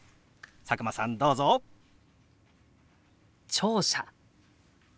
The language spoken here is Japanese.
聴者。